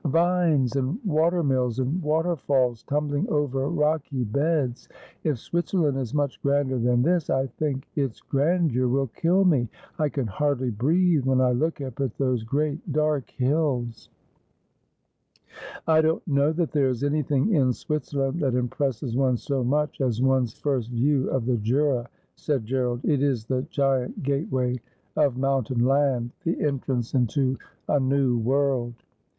Vines, and water mills, and waterfalls tumbhng over rocky beds. If Switzerland is much grander than this, I think its grandeur will kill me. I can hardly breathe when I look tip at those great dark hilli.' ' I don't know that there is anything in Switzerland that impresses one so much as one's first view of the Jura,' said Gerald. ' It is the giant gateway of mountain land — the en trance into a new world.'